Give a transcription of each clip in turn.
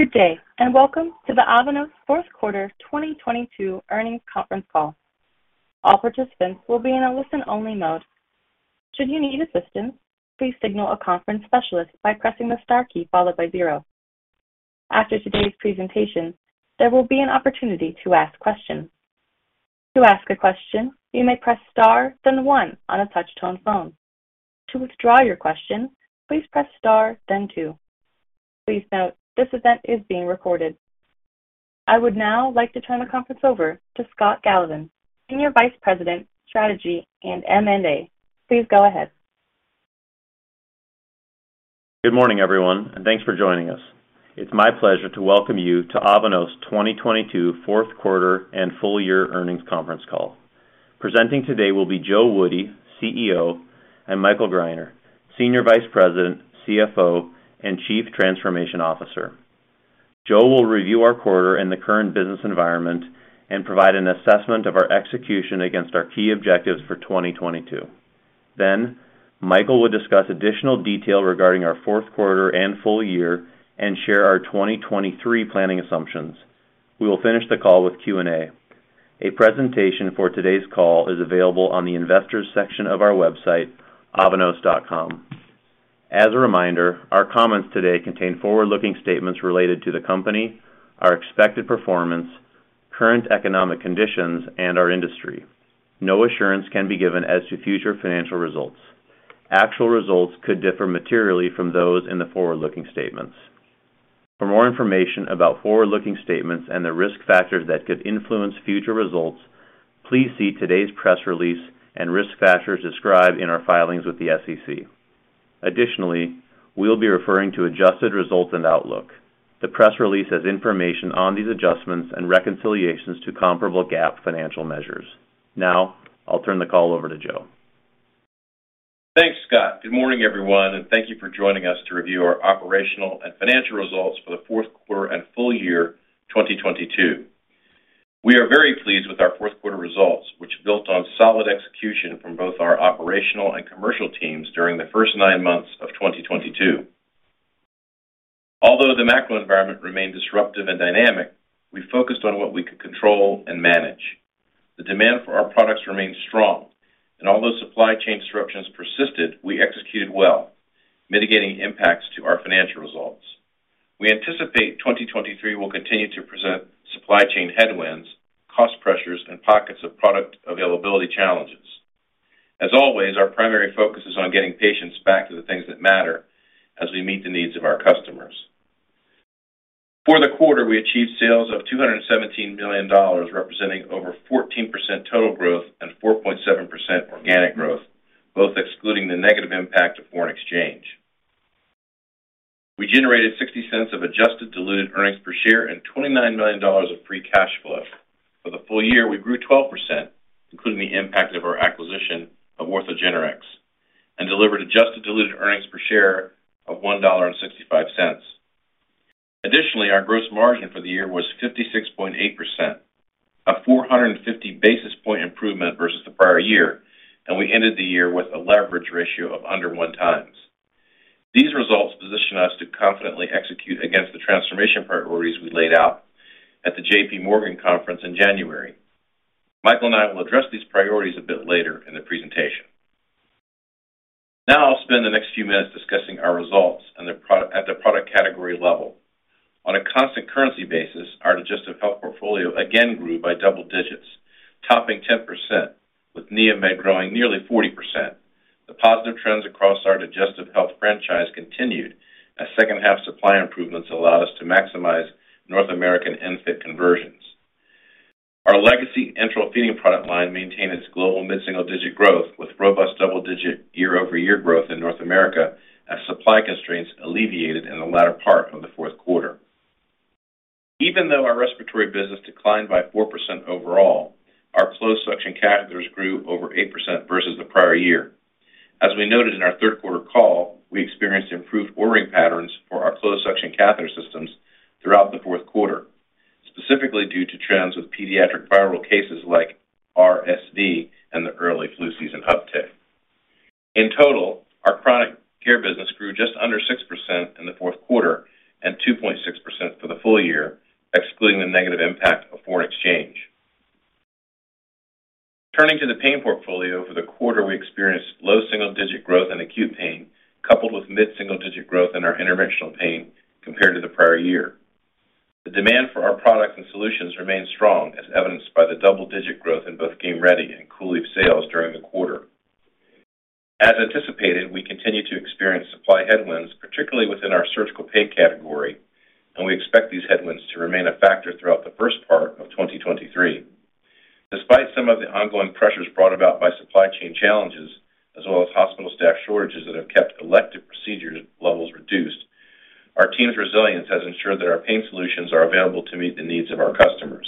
Good day, and welcome to the Avanos Q4 2022 earnings conference call. All participants will be in a listen-only mode. Should you need assistance, please signal a conference specialist by pressing the star key followed by zero. After today's presentation, there will be an opportunity to ask questions. To ask a question, you may press star, then one on a touch-tone phone. To withdraw your question, please press star then two. Please note this event is being recorded. I would now like to turn the conference over to Scott Gallivan, Senior Vice President, Strategy and M&A. Please go ahead. Good morning, everyone. Thanks for joining us. It's my pleasure to welcome you to Avanos 2022 Q4 and full year earnings conference call. Presenting today will be Joe Woody, CEO, and Michael Greiner, Senior Vice President, CFO, and Chief Transformation Officer. Joe will review our quarter and the current business environment and provide an assessment of our execution against our key objectives for 2022. Michael will discuss additional detail regarding our Q4 and full year and share our 2023 planning assumptions. We will finish the call with Q&A. A presentation for today's call is available on the investors section of our website, avanos.com. As a reminder, our comments today contain forward-looking statements related to the company, our expected performance, current economic conditions, and our industry. No assurance can be given as to future financial results. Actual results could differ materially from those in the forward-looking statements. For more information about forward-looking statements and the risk factors that could influence future results, please see today's press release and risk factors described in our filings with the SEC. Additionally, we'll be referring to adjusted results and outlook. The press release has information on these adjustments and reconciliations to comparable GAAP financial measures. Now I'll turn the call over to Joe. Thanks, Scott. Good morning, everyone, and thank you for joining us to review our operational and financial results for the Q4 and full year 2022. We are very pleased with our Q4 results, which built on solid execution from both our operational and commercial teams during the first nine months of 2022. Although the macro environment remained disruptive and dynamic, we focused on what we could control and manage. The demand for our products remained strong, and although supply chain disruptions persisted, we executed well, mitigating impacts to our financial results. We anticipate 2023 will continue to present supply chain headwinds, cost pressures, and pockets of product availability challenges. As always, our primary focus is on getting patients back to the things that matter as we meet the needs of our customers. For the quarter, we achieved sales of $217 million, representing over 14% total growth and 4.7% organic growth, both excluding the negative impact of foreign exchange. We generated $0.60 of adjusted diluted earnings per share and $29 million of free cash flow. For the full year, we grew 12%, including the impact of our acquisition of OrthogenRx, and delivered adjusted diluted earnings per share of $1.65. Our gross margin for the year was 56.8%, a 450 basis point improvement versus the prior year, and we ended the year with a leverage ratio of under one times. These results position us to confidently execute against the transformation priorities we laid out at the JPMorgan conference in January. Michael and I will address these priorities a bit later in the presentation. I'll spend the next few minutes discussing our results at the product category level. On a constant currency basis, our Digestive Health portfolio again grew by double digits, topping 10%, with NeoMed growing nearly 40%. The positive trends across our Digestive Health franchise continued as second half supply improvements allowed us to maximize North American ENFit conversions. Our legacy enteral feeding product line maintained its global mid-single digit growth with robust double-digit year-over-year growth in North America as supply constraints alleviated in the latter part of the Q4. Our respiratory business declined by 4% overall, our closed suction catheters grew over 8% versus the prior year. As we noted in our Q3 call, we experienced improved ordering patterns for our closed suction catheter systems throughout the Q4, specifically due to trends with pediatric viral cases like RSV and the early flu season uptick. In total, our chronic care business grew just under 6% in the Q4 and 2.6% for the full year, excluding the negative impact of foreign exchange. Turning to the pain portfolio, for the quarter we experienced low single digit growth in Acute Pain coupled with mid single digit growth in our Interventional Pain compared to the prior year. The demand for our products and solutions remained strong, as evidenced by the double digit growth in both Game Ready and COOLIEF sales during the quarter. As anticipated, we continue to experience supply headwinds, particularly within our surgical pain category, and we expect these headwinds to remain a factor throughout the first part of 2023. Despite some of the ongoing pressures brought about by supply chain challenges as well as hospital staff shortages that have kept elective procedure levels reduced, our team's resilience has ensured that our pain solutions are available to meet the needs of our customers.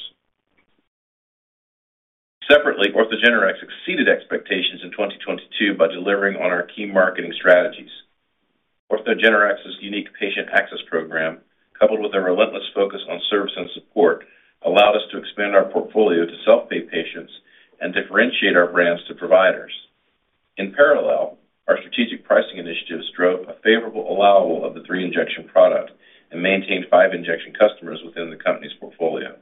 Separately, OrthogenRx exceeded expectations in 2022 by delivering on our key marketing strategies. OrthogenRx's unique patient access program, coupled with a relentless focus on service and support, allowed us to expand our portfolio to self-pay patients and differentiate our brands to providers. In parallel, our strategic pricing initiatives drove a favorable allowable of the three injection product and maintained five injection customers within the company's portfolio.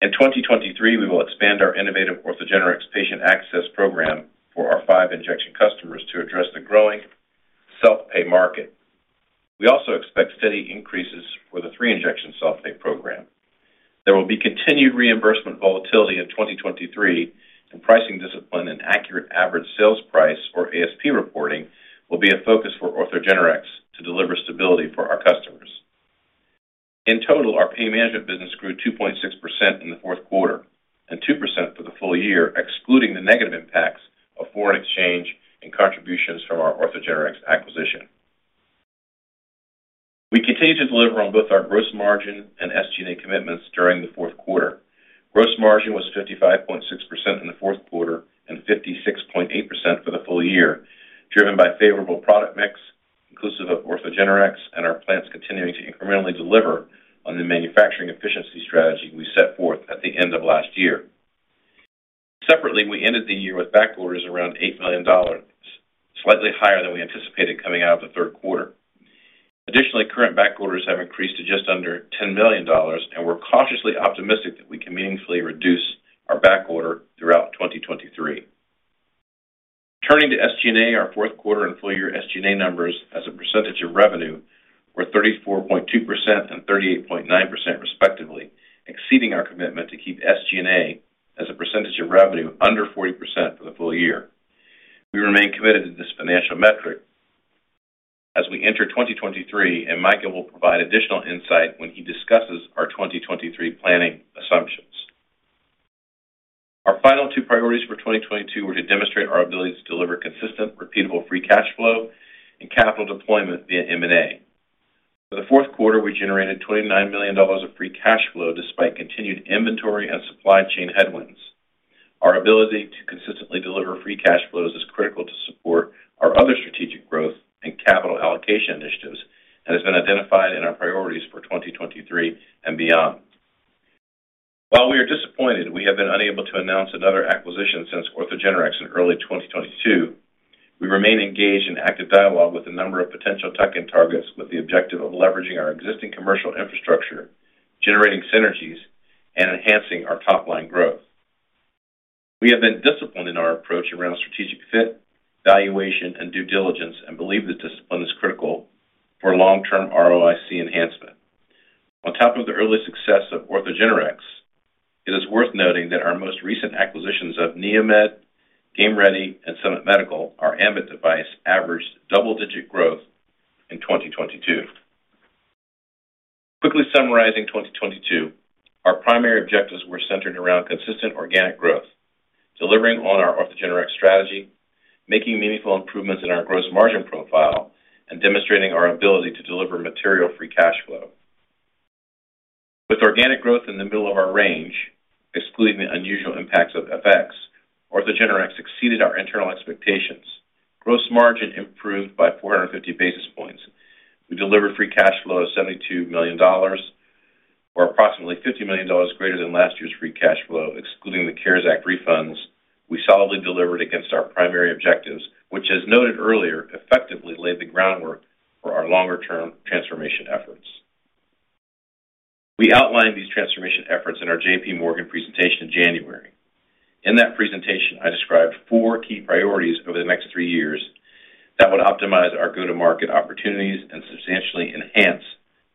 In 2023, we will expand our innovative OrthogenRx patient access program for our five injection customers to address the growing self-pay market. We also expect steady increases for the three injection self-pay program. There will be continued reimbursement volatility in 2023, and pricing discipline and accurate average sales price or ASP reporting will be a focus for OrthogenRx to deliver stability for our customers. In total, our pain management business grew 2.6% in the Q4 and 2% for the full year, excluding the negative impacts of foreign exchange and contributions from our OrthogenRx acquisition. We continue to deliver on both our gross margin and SG&A commitments during the Q4. Gross margin was 55.6% in the Q4 and 56.8% for the full year, driven by favorable product mix inclusive of OrthogenRx and our plants continuing to incrementally deliver on the manufacturing efficiency strategy we set forth at the end of last year. Separately, we ended the year with back orders around $8 million, slightly higher than we anticipated coming out of the Q3. Additionally, current back orders have increased to just under $10 million and we're cautiously optimistic that we can meaningfully reduce our back order throughout 2023. Turning to SG&A, our Q4 and full year SG&A numbers as a percentage of revenue were 34.2% and 38.9% respectively, exceeding our commitment to keep SG&A as a percentage of revenue under 40% for the full year. We remain committed to this financial metric as we enter 2023. Michael Greiner will provide additional insight when he discusses our 2023 planning assumptions. Our final two priorities for 2022 were to demonstrate our ability to deliver consistent, repeatable free cash flow and capital deployment via M&A. For the Q4, we generated $29 million of free cash flow despite continued inventory and supply chain headwinds. Our ability to consistently deliver free cash flows is critical to support our other strategic growth and capital allocation initiatives, and has been identified in our priorities for 2023 and beyond. While we are disappointed we have been unable to announce another acquisition since OrthogenRx in early 2022, we remain engaged in active dialogue with a number of potential tuck-in targets with the objective of leveraging our existing commercial infrastructure, generating synergies, and enhancing our top-line growth. We have been disciplined in our approach around strategic fit, valuation, and due diligence, and believe that discipline is critical for long-term ROIC enhancement. On top of the early success of OrthogenRx, it is worth noting that our most recent acquisitions of NeoMed, Game Ready, and Summit Medical, our ambIT device, averaged double-digit growth in 2022. Quickly summarizing 2022, our primary objectives were centered around consistent organic growth, delivering on our OrthogenRx strategy, making meaningful improvements in our gross margin profile, and demonstrating our ability to deliver material free cash flow. With organic growth in the middle of our range, excluding the unusual impacts of FX, OrthogenRx exceeded our internal expectations. Gross margin improved by 450 basis points. We delivered free cash flow of $72 million, or approximately $50 million greater than last year's free cash flow, excluding the CARES Act refunds. We solidly delivered against our primary objectives, which, as noted earlier, effectively laid the groundwork for our longer-term transformation efforts. We outlined these transformation efforts in our JPMorgan presentation in January. In that presentation, I described four key priorities over the next three years that would optimize our go-to-market opportunities and substantially enhance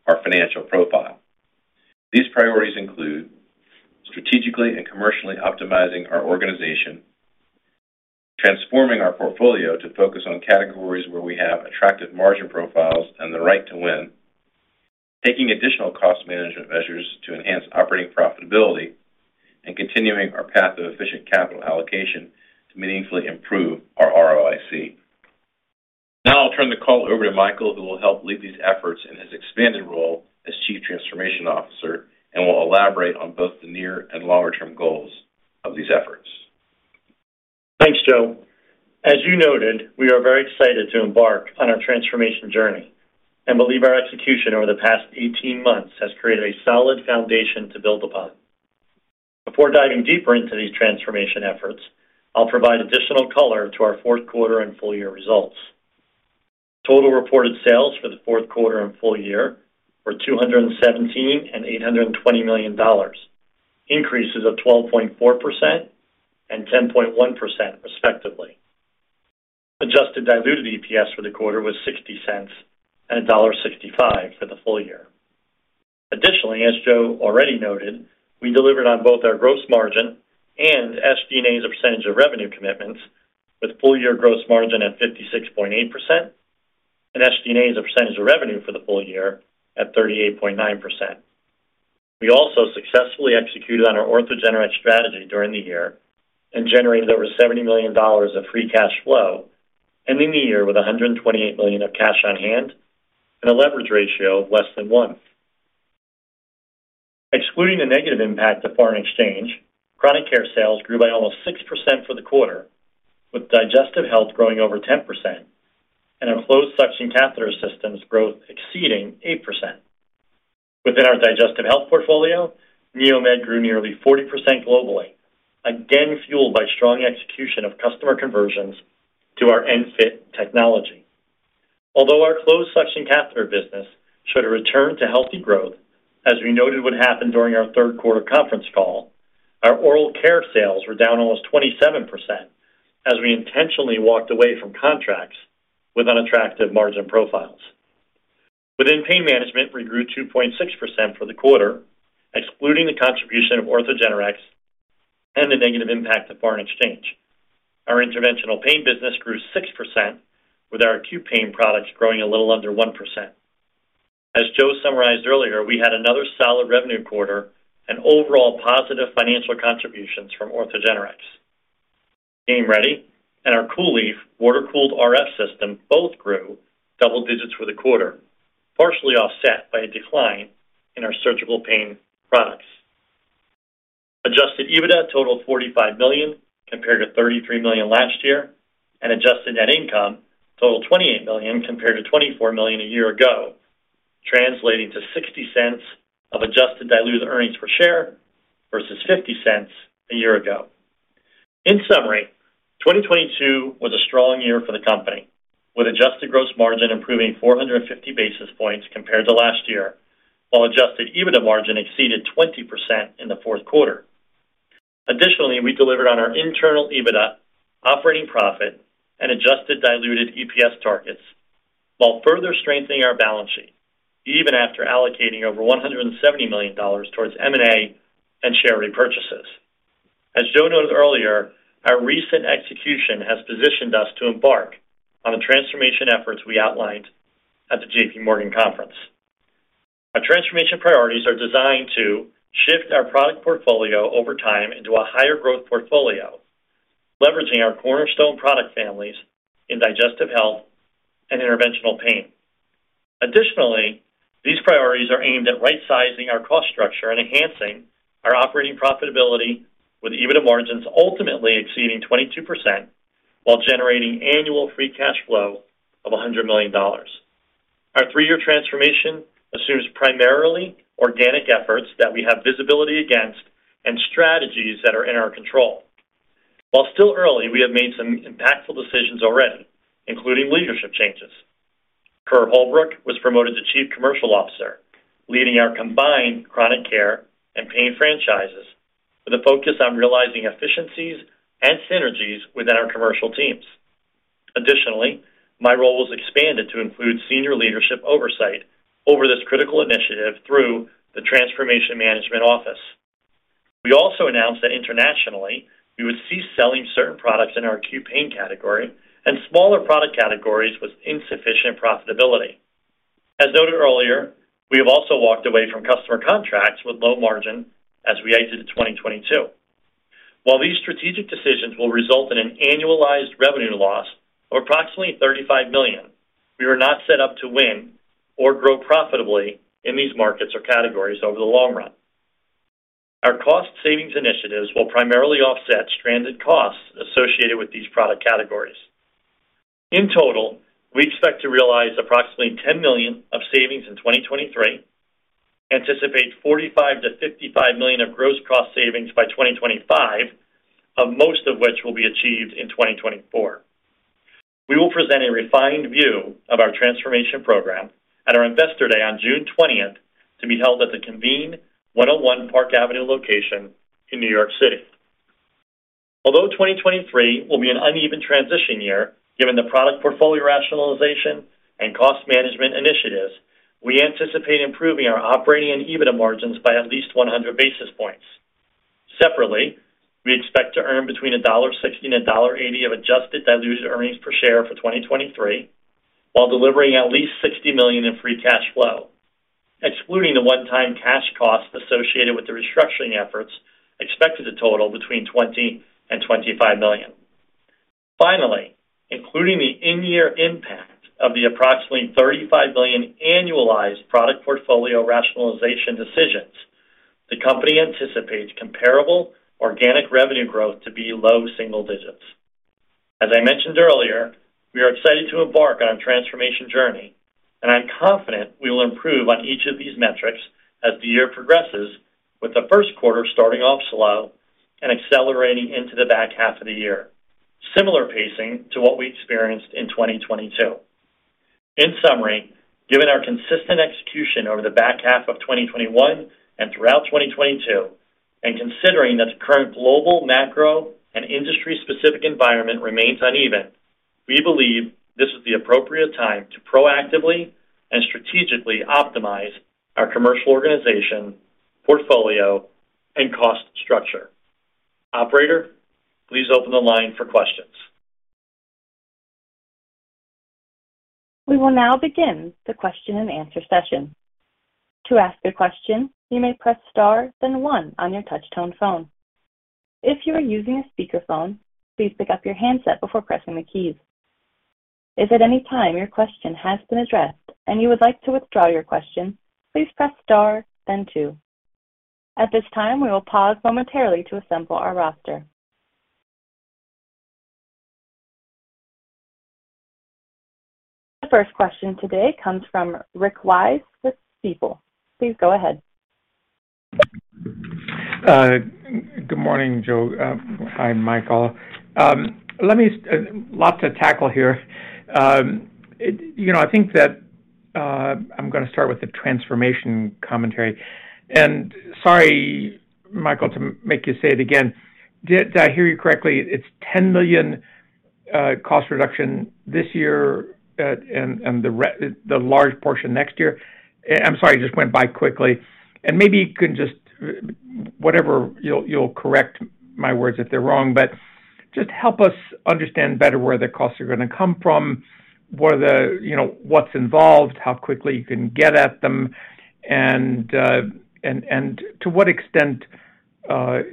our financial profile. These priorities include strategically and commercially optimizing our organization, transforming our portfolio to focus on categories where we have attractive margin profiles and the right to win, taking additional cost management measures to enhance operating profitability, and continuing our path of efficient capital allocation to meaningfully improve our ROIC. Now I'll turn the call over to Michael, who will help lead these efforts in his expanded role as Chief Transformation Officer and will elaborate on both the near and longer term goals of these efforts. Thanks, Joe. As you noted, we are very excited to embark on our transformation journey and believe our execution over the past 18 months has created a solid foundation to build upon. Before diving deeper into these transformation efforts, I'll provide additional color to our Q4 and full year results. Total reported sales for the Q4 and full year were $217 million and $820 million, increases of 12.4% and 10.1% respectively. Adjusted diluted EPS for the quarter was $0.60 and $1.65 for the full year. As Joe already noted, we delivered on both our gross margin and SG&A as a percentage of revenue commitments, with full year gross margin at 56.8% and SG&A as a percentage of revenue for the full year at 38.9%. We also successfully executed on our OrthogenRx strategy during the year and generated over $70 million of free cash flow, ending the year with $128 million of cash on hand and a leverage ratio of less than one. Excluding the negative impact of foreign exchange, chronic care sales grew by almost 6% for the quarter, with Digestive Health growing over 10% and enclosed suction catheter systems growth exceeding 8%. Within our Digestive Health portfolio, NeoMed grew nearly 40% globally, again fueled by strong execution of customer conversions to our ENFit technology. Our closed suction catheter business showed a return to healthy growth, as we noted would happen during our Q3 conference call, our oral care sales were down almost 27% as we intentionally walked away from contracts with unattractive margin profiles. Within Pain Management, we grew 2.6% for the quarter, excluding the contribution of OrthogenRx and the negative impact of foreign exchange. Our Interventional Pain business grew 6% with our Acute Pain products growing a little under 1%. As Joe summarized earlier, we had another solid revenue quarter and overall positive financial contributions from OrthogenRx. Game Ready and our COOLIEF water-cooled RF system both grew double digits for the quarter, partially offset by a decline in our surgical pain products. Adjusted EBITDA totaled $45 million compared to $33 million last year. Adjusted net income totaled $28 million compared to $24 million a year ago, translating to $0.60 of adjusted diluted earnings per share versus $0.50 a year ago. In summary, 2022 was a strong year for the company, with adjusted gross margin improving 450 basis points compared to last year, while adjusted EBITDA margin exceeded 20% in the Q4. Additionally, we delivered on our internal EBITDA operating profit and adjusted diluted EPS targets while further strengthening our balance sheet, even after allocating over $170 million towards M&A and share repurchases. As Joe noted earlier, our recent execution has positioned us to embark on the transformation efforts we outlined at the JPMorgan conference. Our transformation priorities are designed to shift our product portfolio over time into a higher growth portfolio, leveraging our cornerstone product families in Digestive Health and Interventional Pain. Additionally, these priorities are aimed at rightsizing our cost structure and enhancing our operating profitability with EBITDA margins ultimately exceeding 22% while generating annual free cash flow of $100 million. Our three-year transformation assumes primarily organic efforts that we have visibility against and strategies that are in our control. While still early, we have made some impactful decisions already, including leadership changes. Kerr Holbrook was promoted to Chief Commercial Officer, leading our combined chronic care and pain franchises with a focus on realizing efficiencies and synergies within our commercial teams. Additionally, my role was expanded to include senior leadership oversight over this critical initiative through the Transformation Management Office. We also announced that internationally, we would cease selling certain products in our Acute Pain category and smaller product categories with insufficient profitability. As noted earlier, we have also walked away from customer contracts with low margin as we exited 2022. While these strategic decisions will result in an annualized revenue loss of approximately $35 million, we were not set up to win or grow profitably in these markets or categories over the long run. Our cost savings initiatives will primarily offset stranded costs associated with these product categories. In total, we expect to realize approximately $10 million of savings in 2023, anticipate $45 million-$55 million of gross cost savings by 2025, most of which will be achieved in 2024. We will present a refined view of our transformation program at our Investor Day on June 20th to be held at the Convene 101 Park Avenue location in New York City. Although 2023 will be an uneven transition year, given the product portfolio rationalization and cost management initiatives, we anticipate improving our operating and EBITDA margins by at least 100 basis points. Separately, we expect to earn between $1.60 and $1.80 of adjusted diluted earnings per share for 2023, while delivering at least $60 million in free cash flow, excluding the one-time cash costs associated with the restructuring efforts expected to total between $20 million and $25 million. Finally, including the in-year impact of the approximately $35 million annualized product portfolio rationalization decisions, the company anticipates comparable organic revenue growth to be low single digits. As I mentioned earlier, we are excited to embark on a transformation journey. I'm confident we will improve on each of these metrics as the year progresses with the Q1 starting off slow and accelerating into the back half of the year, similar pacing to what we experienced in 2022. In summary, given our consistent execution over the back half of 2021 and throughout 2022, considering that the current global, macro, and industry-specific environment remains uneven, we believe this is the appropriate time to proactively and strategically optimize our commercial organization, portfolio, and cost structure. Operator, please open the line for questions. We will now begin the question-and-answer session. To ask a question, you may press star, then one on your touch-tone phone. If you are using a speakerphone, please pick up your handset before pressing the keys. If at any time your question has been addressed and you would like to withdraw your question, please press star then two. At this time, we will pause momentarily to assemble our roster First question today comes from Rick Wise with Stifel. Please go ahead. Good morning, Joe. Hi, Michael. Let me, lot to tackle here. It, you know, I think that, I'm gonna start with the transformation commentary. Sorry, Michael, to make you say it again. Did I hear you correctly, it's $10 million cost reduction this year, and the large portion next year? I'm sorry, it just went by quickly. Maybe you can just, whatever, you'll correct my words if they're wrong, but just help us understand better where the costs are gonna come from, where the, you know, what's involved, how quickly you can get at them, and to what extent,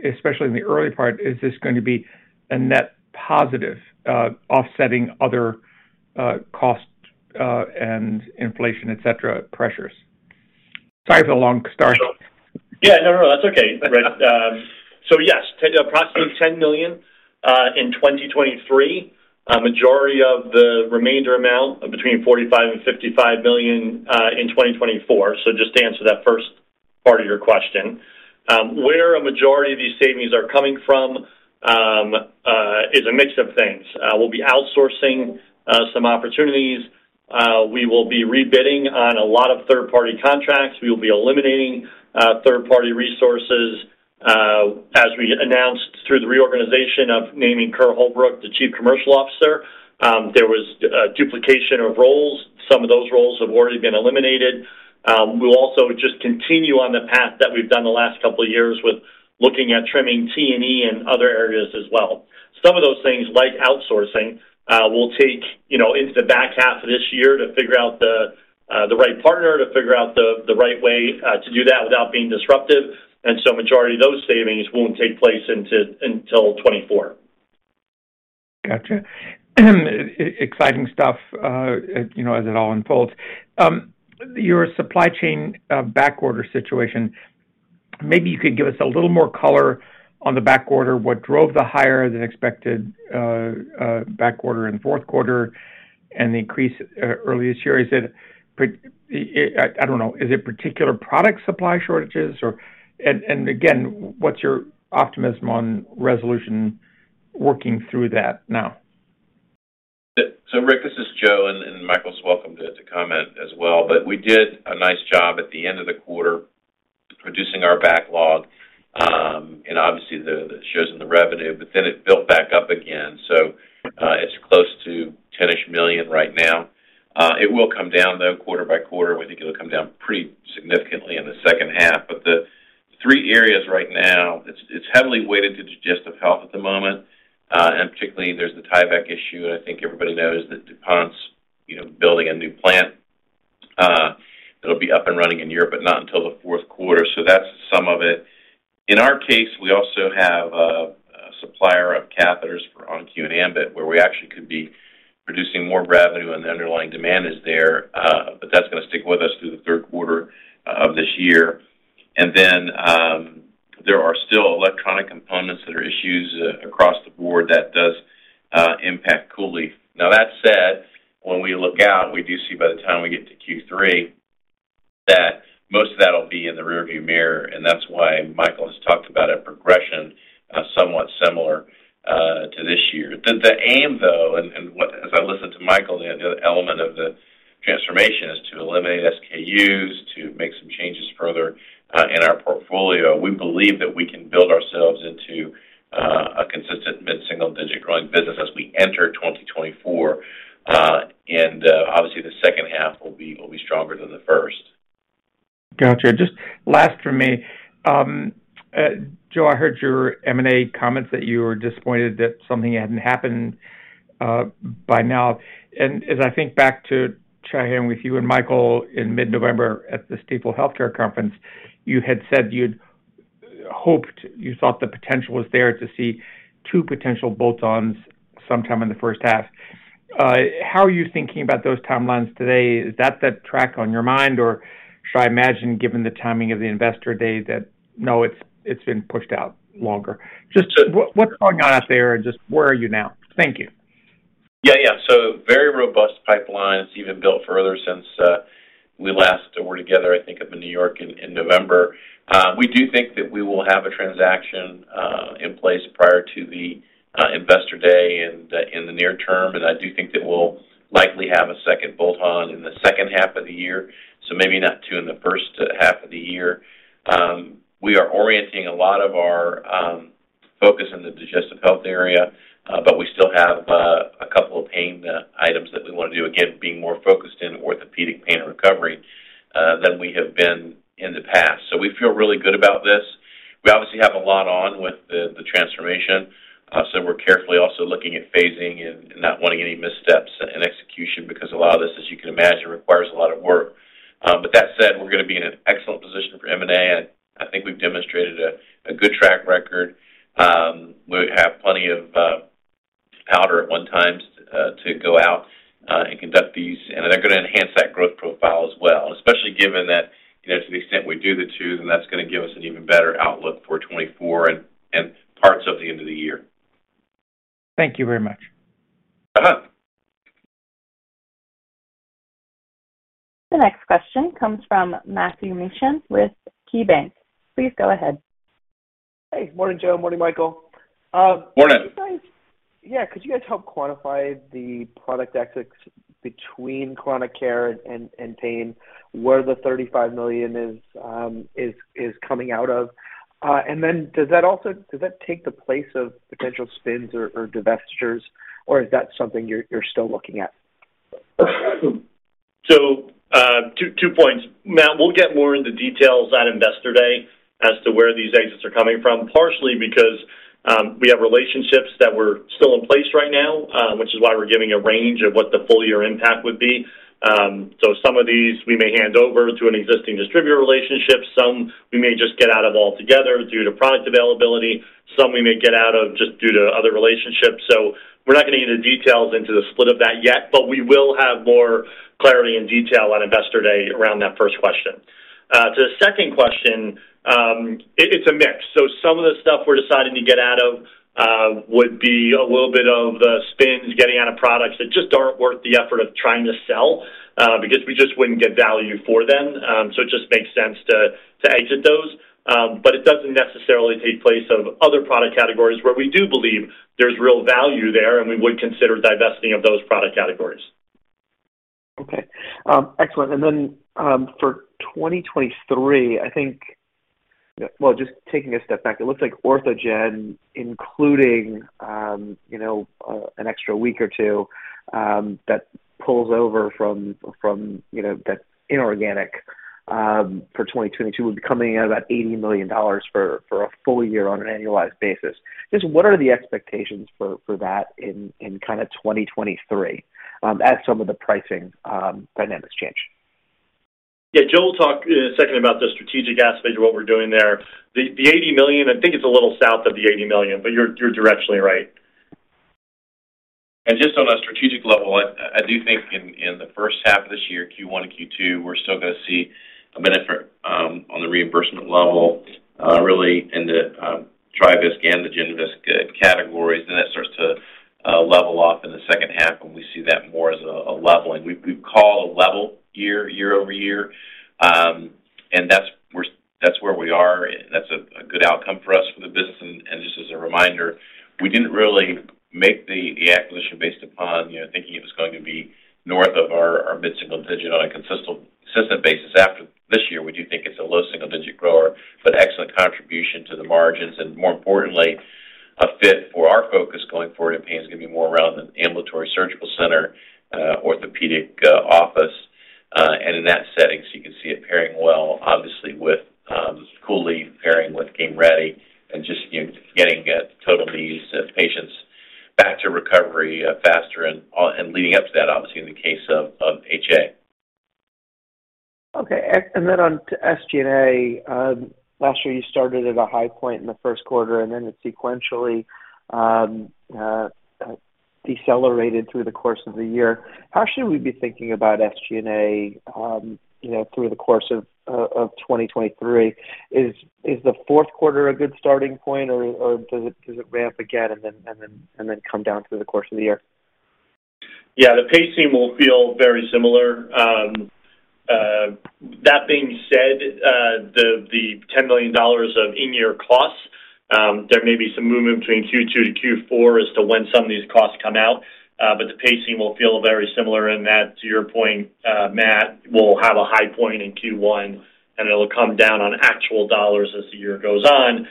especially in the early part, is this gonna be a net positive, offsetting other cost, and inflation, et cetera, pressures? Sorry for the long start. Yeah, no, that's okay, Rick. Yes, approximately $10 million in 2023. A majority of the remainder amount of between $45 million and $55 million in 2024. Just to answer that first part of your question. Where a majority of these savings are coming from is a mix of things. We'll be outsourcing some opportunities. We will be rebidding on a lot of third-party contracts. We will be eliminating third-party resources. As we announced through the reorganization of naming Kerr Holbrook the Chief Commercial Officer, there was duplication of roles. Some of those roles have already been eliminated. We'll also just continue on the path that we've done the last couple of years with looking at trimming T&E and other areas as well. Some of those things, like outsourcing, will take, you know, into the back half of this year to figure out the right partner, to figure out the right way to do that without being disruptive. Majority of those savings won't take place until 2024. Gotcha. Exciting stuff, you know, as it all unfolds. Your supply chain, backorder situation, maybe you could give us a little more color on the backorder, what drove the higher than expected backorder in Q4 and the increase earlier this year. Is it I don't know. Is it particular product supply shortages or... Again, what's your optimism on resolution working through that now? Rick, this is Joe, and Michael's welcome to comment as well. We did a nice job at the end of the quarter producing our backlog, and obviously the, it shows in the revenue, but then it built back up again. It's close to $10 million right now. It will come down though, quarter-by-quarter. We think it'll come down pretty significantly in the second half. The three areas right now, it's heavily weighted to Digestive Health at the moment, and particularly there's the Tyvek issue, and I think everybody knows that DuPont's, you know, building a new plant, that'll be up and running in Europe, but not until the Q4. That's some of it. In our case, we also have a supplier of catheters for ON-Q and ambIT, where we actually could be producing more revenue and the underlying demand is there, but that's gonna stick with us through the Q3 of this year. There are still electronic components that are issues across the board that does impact COOLIEF. Now, that said, when we look out, we do see by the time we get to Q3 that most of that'll be in the rearview mirror, and that's why Michael has talked about a progression somewhat similar to this year. The aim, though, and what as I listened to Michael, the element of the transformation is to eliminate SKUs, to make some changes further in our portfolio. We believe that we can build ourselves into a consistent mid-single digit growing business as we enter 2024. Obviously the second half will be stronger than the first. Gotcha. Just last for me. Joe, I heard your M&A comments that you were disappointed that something hadn't happened by now. As I think back to chatting with you and Michael in mid-November at the Stifel Healthcare Conference, you had said you'd hoped, you thought the potential was there to see two potential bolt-ons sometime in the first half. How are you thinking about those timelines today? Is that the track on your mind or should I imagine, given the timing of the Investor Day, that no, it's been pushed out longer? Just what's going on out there and just where are you now? Thank you. Yeah, yeah. Very robust pipeline. It's even built further since we last were together, I think up in New York in November. We do think that we will have a transaction in place prior to the Investor Day in the near term. I do think that we'll likely have a second bolt-on in the second half of the year. Maybe not two in the first half of the year. We are orienting a lot of our focus in the Digestive Health area, but we still have a couple of pain items that we wanna do. Again, being more focused in orthopedic pain and recovery than we have been in the past. We feel really good about this. We obviously have a lot on with the transformation, so we're carefully also looking at phasing and not wanting any missteps in execution because a lot of this, as you can imagine, requires a lot of work. That said, we're gonna be in an excellent position for M&A, and I think we've demonstrated a good track record. We have plenty of powder at one times to go out and conduct these, and they're gonna enhance that growth profile as well. Especially given that, you know, to the extent we do the two, then that's gonna give us an even better outlook for 2024 and. The end of the year. Thank you very much. Uh-huh. The next question comes from Matthew Mishan with KeyBanc. Please go ahead. Hey, morning, Joe. Morning, Michael. Morning. Yeah. Could you guys help quantify the product exits between chronic care and pain, where the $35 million is coming out of? Does that take the place of potential spins or divestitures, or is that something you're still looking at? Two points, Matt. We'll get more into details on Investor Day as to where these exits are coming from, partially because we have relationships that were still in place right now, which is why we're giving a range of what the full year impact would be. Some of these we may hand over to an existing distributor relationship. Some we may just get out of altogether due to product availability. Some we may get out of just due to other relationships. We're not gonna get into details into the split of that yet, but we will have more clarity and detail on Investor Day around that first question. To the second question, it's a mix. Some of the stuff we're deciding to get out of, would be a little bit of, spins, getting out of products that just aren't worth the effort of trying to sell, because we just wouldn't get value for them. It just makes sense to exit those. It doesn't necessarily take place of other product categories where we do believe there's real value there, and we would consider divesting of those product categories. Okay. Excellent. For 2023, I think. Well, just taking a step back, it looks like Orthogen, including, you know, an extra week or two, that pulls over from, you know, that inorganic, for 2022 would be coming in at about $80 million for a full year on an annualized basis. Just what are the expectations for that in kinda 2023, as some of the pricing dynamics change? Yeah. Joe will talk in a second about the strategic aspect of what we're doing there. The $80 million, I think it's a little south of the $80 million, but you're directionally right. Just on a strategic level, I do think in the first half of this year, Q1 and Q2, we're still gonna see a benefit on the reimbursement level really in the TriVisc and the GenVisc categories. That starts to level off in the second half when we see that more as a leveling. We've called a level year year-over-year, and that's where we are. That's a good outcome for us for the business. Just as a reminder, we didn't really make the acquisition based upon, you know, thinking it was going to be north of our mid-single digit on a consistent basis after this year. We do think it's a low single-digit grower, but excellent contribution to the margins, and more importantly, a fit for our focus going forward in pain is gonna be more around the ambulatory surgical center, orthopedic, office. In that setting, so you can see it pairing well, obviously, with, COOLIEF pairing with Game Ready and just, you know, getting total knees of patients back to recovery, faster and all. Leading up to that, obviously in the case of HA. Okay. Then on to SG&A. last year you started at a high point in the Q1, and then it sequentially decelerated through the course of the year. How should we be thinking about SG&A, you know, through the course of 2023? Is the Q4 a good starting point, or does it ramp again and then come down through the course of the year? Yeah. The pacing will feel very similar. That being said, the $10 million of in-year costs, there may be some movement between Q2 to Q4 as to when some of these costs come out, but the pacing will feel very similar in that, to your point, Matt, we'll have a high point in Q1, and it'll come down on actual dollars as the year goes on.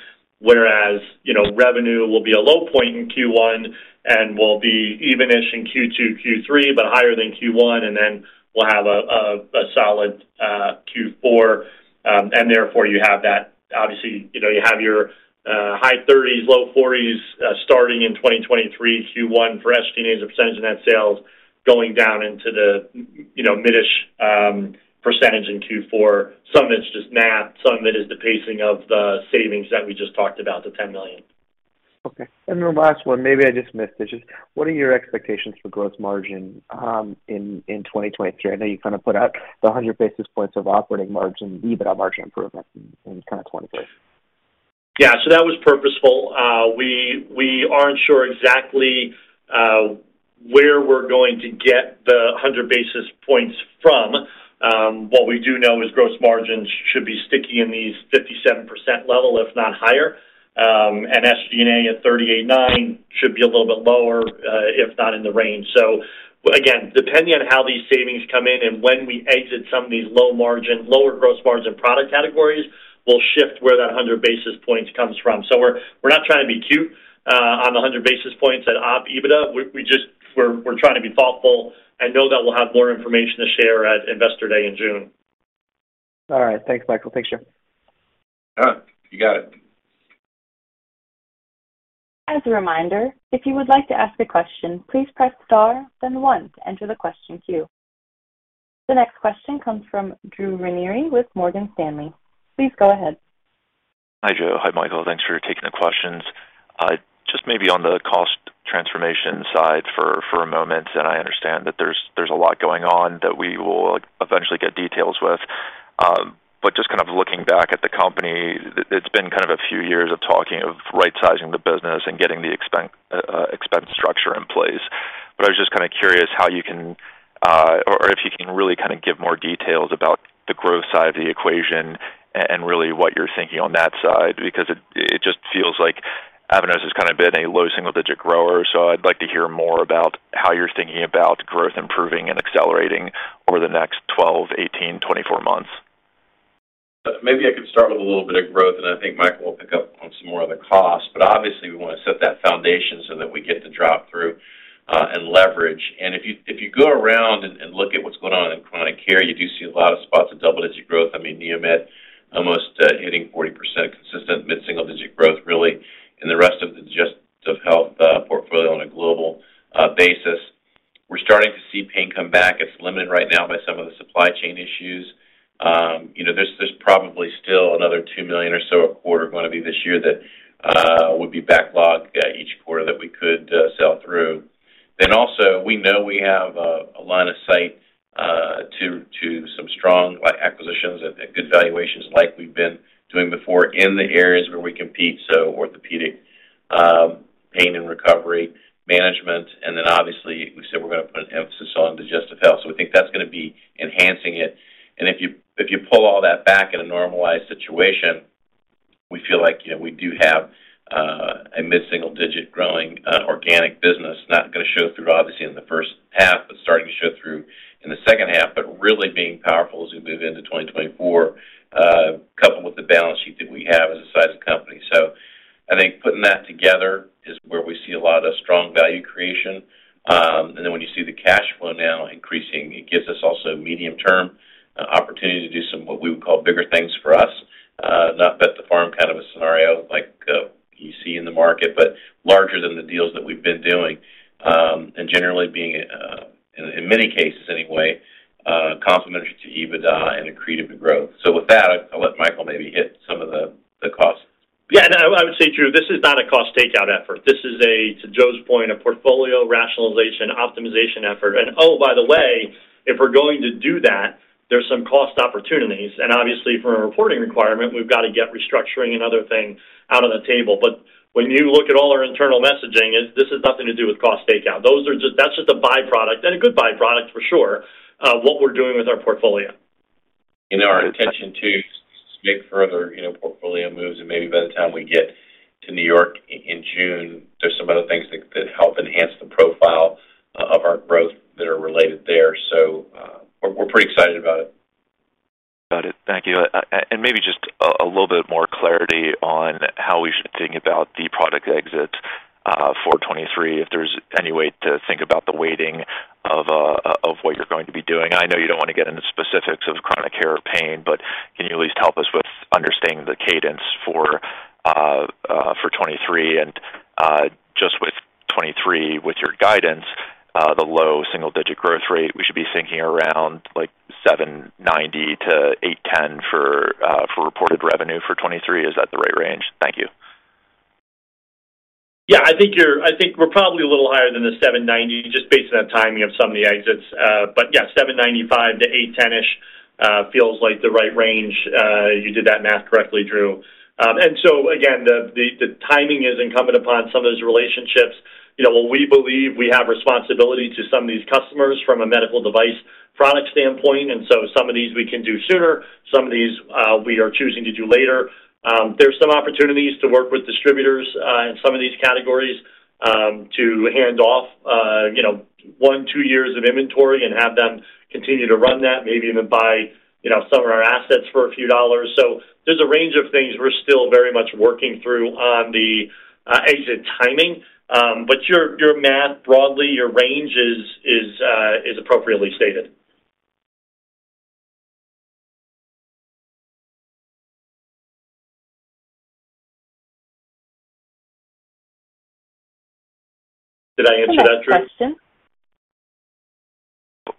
You know, revenue will be a low point in Q1 and will be even-ish in Q2, Q3, but higher than Q1. We'll have a solid Q4, you have that. Obviously, you know, you have your high 30s, low 40s, starting in 2023 Q1 for SG&A as a % of net sales going down into the, you know, mid-ish % in Q4. Some of it's just math, some of it is the pacing of the savings that we just talked about, the $10 million. Okay. The last one, maybe I just missed it. Just what are your expectations for growth margin, in 2023? I know you kinda put out the 100 basis points of operating margin, EBITDA margin improvement in kinda 2023. That was purposeful. we aren't sure exactly where we're going to get the 100 basis points from. What we do know is gross margins should be sticky in these 57% level, if not higher. SG&A at 38.9% should be a little bit lower, if not in the range. Again, depending on how these savings come in and when we exit some of these low margin, lower gross margin product categories, we'll shift where that 100 basis points comes from. We're not trying to be cute on the 100 basis points at Op EBITDA. We're trying to be thoughtful and know that we'll have more information to share at Investor Day in June. All right. Thanks, Michael. Thanks, Joe. All right. You got it. As a reminder, if you would like to ask a question, please press star then one to enter the question queue. The next question comes from Drew Ranieri with Morgan Stanley. Please go ahead. Hi, Joe. Hi, Michael. Thanks for taking the questions. Just maybe on the cost transformation side for a moment, and I understand that there's a lot going on that we will eventually get details with. Just kind of looking back at the company, it's been kind of a few years of talking of rightsizing the business and getting the expense structure in place. I was just kinda curious how you can, or if you can really kinda give more details about the growth side of the equation and really what you're thinking on that side. It just feels like Avanos has kinda been a low single-digit grower, so I'd like to hear more about how you're thinking about growth improving and accelerating over the next 12, 18, 24 months. Maybe I can start with a little bit of growth. I think Michael will pick up on some more of the costs. Obviously, we wanna set that foundation so that we get the drop-through and leverage. If you go around and look at what's going on in chronic care, you do see a lot of spots of double-digit growth. I mean, NeoMed almost hitting 40% consistent mid-single digit growth, really, in the rest of the Digestive Health portfolio on a global basis. We're starting to see pain come back. It's limited right now by some of the supply chain issues. You know, there's probably still another $2 million or so a quarter gonna be this year that would be backlogged each quarter that we could sell through. Also, we know we have a line of sight to some strong acquisitions at good valuations like we've been doing before in the areas where we compete, so orthopedic pain and recovery management. Obviously, we said we're gonna put an emphasis on Digestive Health, so we think that's gonna be enhancing it. If you, if you pull all that back in a normalized situation, we feel like, you know, we do have a mid-single digit growing organic business, not gonna show through obviously in the first half, but starting to show through in the second half, but really being powerful as we move into 2024, coupled with the balance sheet that we have as a size of company. I think putting that together is where we see a lot of strong value creation. When you see the cash flow now increasing, it gives us also medium-term opportunity to do some what we would call bigger things for us. Not bet the farm kind of a scenario like you see in the market, but larger than the deals that we've been doing, and generally being in many cases anyway, complementary to EBITDA and accretive to growth. I'll let Michael maybe hit some of the costs. Yeah. No, I would say, Drew, this is not a cost takeout effort. This is a, to Joe's point, a portfolio rationalization optimization effort. Oh, by the way, if we're going to do that, there's some cost opportunities. When you look at all our internal messaging, this has nothing to do with cost takeout. That's just a by-product, and a good by-product for sure, what we're doing with our portfolio. You know, our intention to make further, you know, portfolio moves, and maybe by the time we get to New York in June, there's some other things that help enhance the profile of our growth that are related there. We're pretty excited about it. Got it. Thank you. And maybe just a little bit more clarity on how we should think about the product exit for 2023, if there's any way to think about the weighting of what you're going to be doing. I know you don't want to get into specifics of chronic care or pain, but can you at least help us with understanding the cadence for 2023? Just with 2023, with your guidance, the low single-digit growth rate, we should be thinking around like $790-$810 for reported revenue for 2023. Is that the right range? Thank you. Yeah, I think we're probably a little higher than the 790 just based on the timing of some of the exits. Yeah, 795-810-ish feels like the right range. You did that math correctly, Drew. Again, the timing is incumbent upon some of those relationships. You know, we believe we have responsibility to some of these customers from a medical device product standpoint, some of these we can do sooner, some of these we are choosing to do later. There's some opportunities to work with distributors in some of these categories to hand off, you know, 1, 2 years of inventory and have them continue to run that, maybe even buy, you know, some of our assets for a few dollars. There's a range of things we're still very much working through on the, as in timing. Your, your math broadly, your range is appropriately stated. Did I answer that, Drew? The next question.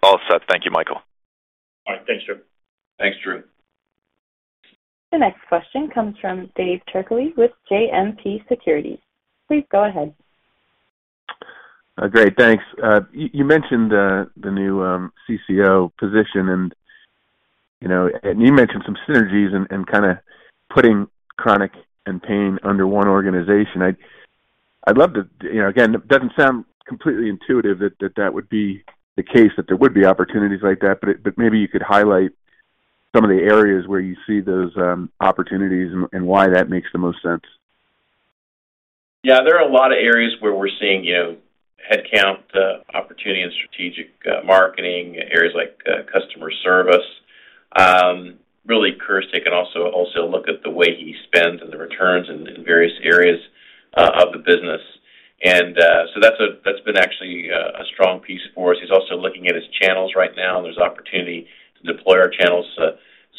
All set. Thank you, Michael. All right. Thanks, Drew. Thanks, Drew. The next question comes from David Turkaly with JMP Securities. Please go ahead. Great. Thanks. You mentioned the new CCO position and, you know, you mentioned some synergies and kinda putting chronic and pain under one organization. I'd love to, you know, again, it doesn't sound completely intuitive that would be the case, that there would be opportunities like that, but maybe you could highlight some of the areas where you see those opportunities and why that makes the most sense. Yeah, there are a lot of areas where we're seeing, you know, headcount opportunity and strategic marketing, areas like customer service. Really, Kerr can also look at the way he spends and the returns in various areas of the business. That's been actually a strong piece for us. He's also looking at his channels right now, and there's opportunity to deploy our channels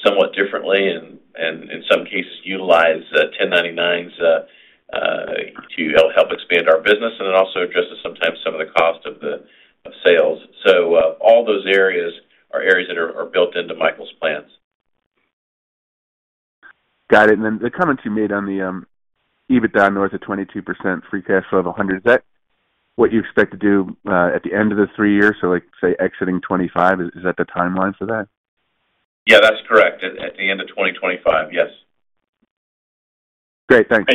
somewhat differently and in some cases, utilize 1099s to help expand our business and also addresses sometimes some of the cost of sales. All those areas are areas that are built into Michael's plans. Got it. The comments you made on the EBIT down north of 22%, free cash flow of $100. Is that what you expect to do at the end of the three years? Like say exiting 2025, is that the timeline for that? Yeah, that's correct. At the end of 2025, yes. Great. Thanks.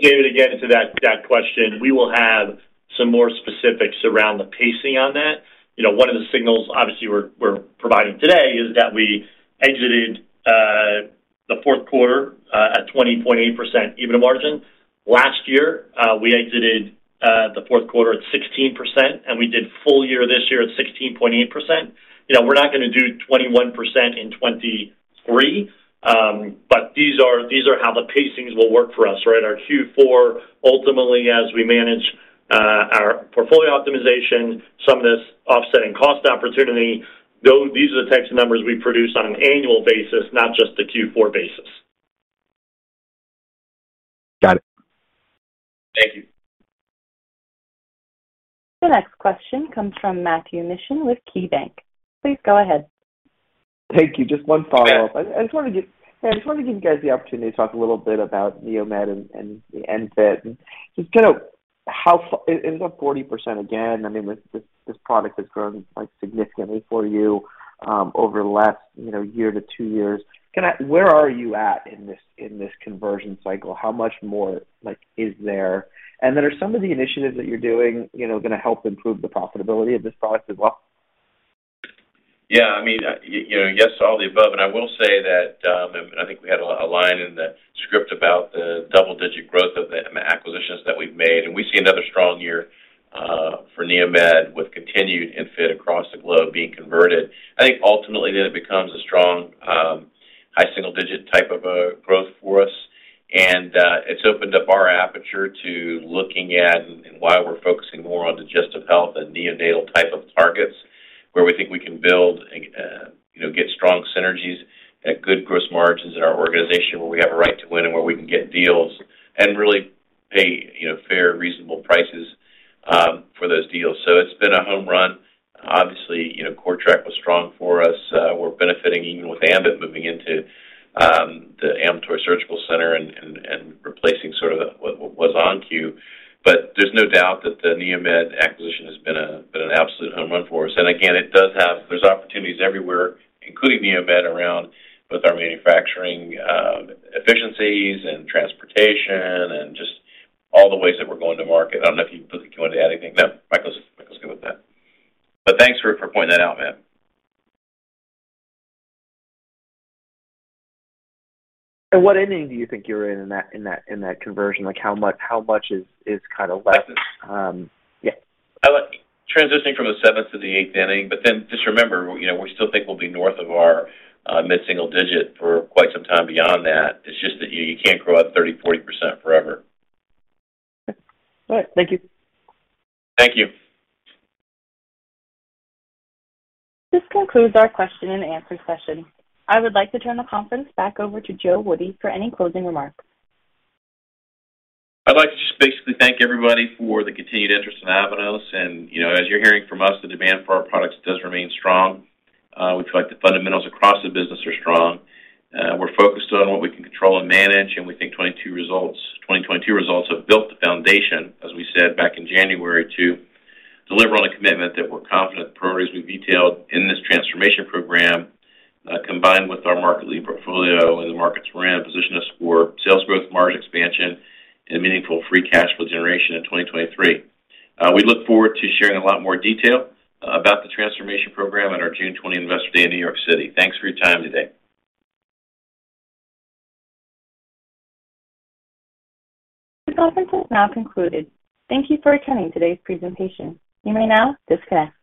David, again, to that question, we will have some more specifics around the pacing on that. You know, one of the signals obviously we're providing today is that we exited the Q4 at 20.8% EBITDA margin. Last year, we exited the Q4 at 16%, and we did full year this year at 16.8%. You know, we're not gonna do 21% in 2023, but these are how the pacings will work for us, right? Our Q4 ultimately as we manage our portfolio optimization, some of this offsetting cost opportunity, these are the types of numbers we produce on an annual basis, not just the Q4 basis. Got it. Thank you. The next question comes from Matthew Mishan with KeyBanc. Please go ahead. Thank you. Just one follow-up. I just wanna give you guys the opportunity to talk a little bit about NeoMed and the ENFit. It was up 40% again. I mean, this product has grown like significantly for you, over the last, you know, one to two years. Where are you at in this conversion cycle? How much more, like, is there? Then are some of the initiatives that you're doing, you know, gonna help improve the profitability of this product as well? Yeah. I mean, you know, yes to all the above. I will say that, I think we had a line in the script about the double-digit growth of the acquisitions that we've made. We see another strong year for NeoMed with continued ENFit across the globe being converted. I think ultimately it becomes a strong, high single digit type of growth for us. It's opened up our aperture to looking at why we're focusing more on Digestive Health and neonatal type of targets where we think we can build, you know, get strong synergies at good gross margins in our organization where we have a right to win, where we can get deals, really pay, you know, fair, reasonable prices for those deals. It's been a home run. Obviously, you know, CORTRAK was strong for us. We're benefiting even with ambIT moving into the ambulatory surgical center and replacing sort of what was ON-Q. There's no doubt that the NeoMed acquisition has been an absolute home run for us. Again, it does have. There's opportunities everywhere, including NeoMed, around with our manufacturing efficiencies and transportation and just all the ways that we're going to market. I don't know if you particularly want to add anything. No, Michael's good with that. Thanks for pointing that out, Matt. What inning do you think you're in that conversion? Like, how much is kinda left? Yeah. Transitioning from the seventh to the eighth inning, but then just remember, you know, we still think we'll be north of our mid-single digit for quite some time beyond that. It's just that you can't grow at 30%, 40% forever. All right. Thank you. Thank you. This concludes our question-and-answer session. I would like to turn the conference back over to Joe Woody for any closing remarks. I'd like to just basically thank everybody for the continued interest in Avanos. You know, as you're hearing from us, the demand for our products does remain strong. We feel like the fundamentals across the business are strong. We're focused on what we can control and manage. We think 2022 results have built the foundation, as we said back in January, to deliver on a commitment that we're confident the priorities we've detailed in this transformation program, combined with our market-leading portfolio and the markets we're in, position us for sales growth, margin expansion, and meaningful free cash flow generation in 2023. We look forward to sharing a lot more detail about the transformation program on our June 20 Investor Day in New York City. Thanks for your time today. This conference is now concluded. Thank you for attending today's presentation. You may now disconnect.